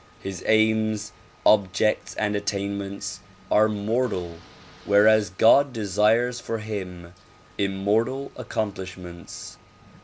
His aims, objects and attainments are mortal whereas God desires for him immortal accomplishments.